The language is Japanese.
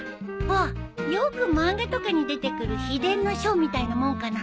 あっよく漫画とかに出てくる秘伝の書みたいなもんかな？